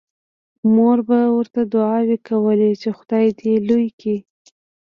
مور به ورته دعاوې کولې چې خدای دې لوی کړي